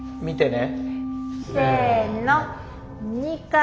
見てね。